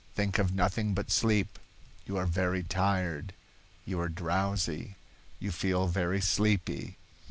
Think of nothing but sleep. You are very tired. You are drowsy. You feel very sleepy."